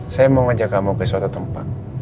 saya mau ajak kamu ke suatu tempat